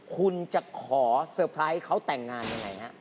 คุณจะขอเซอร์ไพรส์เขาแต่งงานยังไงฮะ